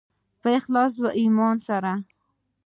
په اخلاص او ایمان سره.